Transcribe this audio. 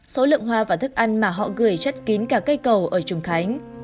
số lượng hoa và thức ăn mà họ gửi chất kín cả cây cầu ở trùng khánh